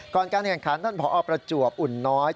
ก่อนการแข่งขันท่านพ่อออกประจวบอุ่นน้อย